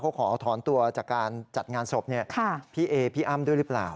เขาขอถอนตัวจากการจัดงานศพพี่เอพี่อ้ำด้วยหรือเปล่า